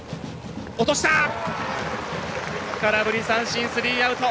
空振り三振、スリーアウト。